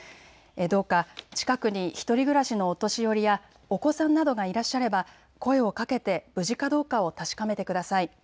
どうか、近くに１人暮らしのお年寄りやお子さんなどがいらっしゃれば声をかけて無事かどうかを確かめてください。